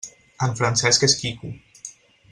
En Francesc és quico.